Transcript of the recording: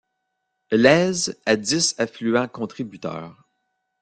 L'Èze a dix affluents contributeurs.